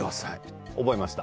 覚えました。